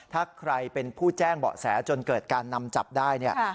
ถ้าใครเป็นผู้แจ้งเบาะแสจนเกิดการนำจับได้เนี่ย